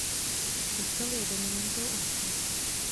Kostel je dominantou obce.